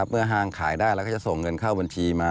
ห้างขายได้เราก็จะส่งเงินเข้าบัญชีมา